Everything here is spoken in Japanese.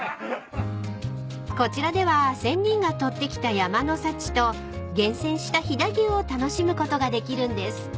［こちらでは仙人が採ってきた山の幸と厳選した飛騨牛を楽しむことができるんです］